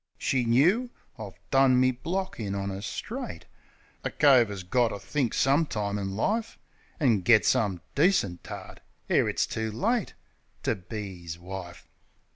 She knoo. I've done me block in on 'er, straight. A cove 'as got to think some time in life An' get some decent tart, ere it's too late, To be 'is wife.